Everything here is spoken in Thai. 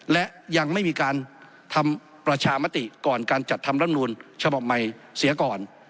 และยังไม่มีการทำประชามติก่อนการจัดทำรำนูลฉบับใหม่เสียก่อน